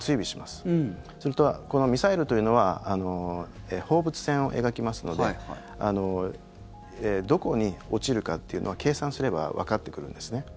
すると、このミサイルというのは放物線を描きますのでどこに落ちるかというのは計算すればわかってくるんです。